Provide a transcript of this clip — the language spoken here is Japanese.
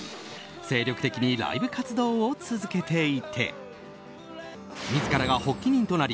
精力的にライブ活動を続けていて自らが発起人となり